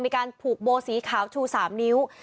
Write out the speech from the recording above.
มีการผูกโบสีขาวชู๓นิ้ว